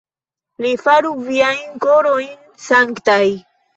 Li faru viajn korojn sanktaj.